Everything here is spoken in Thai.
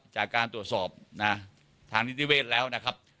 จากการตรวจสอบนะทางนิติเวศแล้วนะครับ